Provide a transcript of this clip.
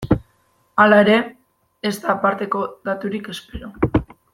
Hala ere, ez da aparteko daturik espero.